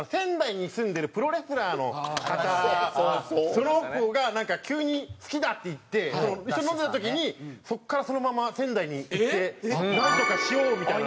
その子がなんか急に「好きだ」って言って一緒に飲んでた時にそこからそのまま仙台に行ってなんとかしようみたいな。